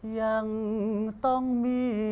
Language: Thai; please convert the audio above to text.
ยังต้องมี